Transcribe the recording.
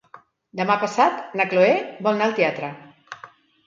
Demà passat na Cloè vol anar al teatre.